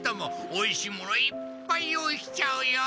おいしいものいっぱい用意しちゃうよ。